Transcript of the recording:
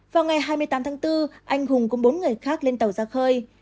vào ngày hai mươi tám tháng bốn anh hùng cùng bốn người khác lên tàu ra khơi